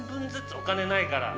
お金ないから。